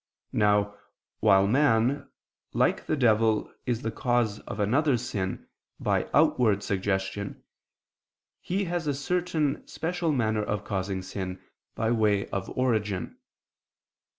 Now, while man, like the devil, is the cause of another's sin, by outward suggestion, he has a certain special manner of causing sin, by way of origin.